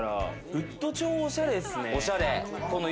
ウッド調おしゃれですね。